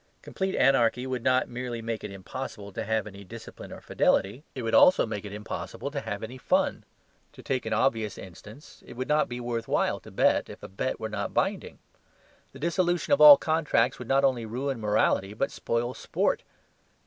Complete anarchy would not merely make it impossible to have any discipline or fidelity; it would also make it impossible to have any fun. To take an obvious instance, it would not be worth while to bet if a bet were not binding. The dissolution of all contracts would not only ruin morality but spoil sport.